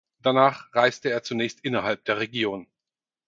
Danach reiste er zunächst innerhalb der Region.